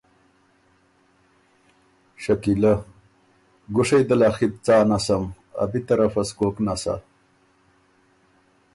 شکیلۀ ـــ ګُوشئ دل ا خِط څا نسم ا بی طرفه سو کوک نسا؟